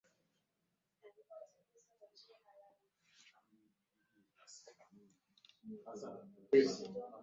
Mtumainie Bwana.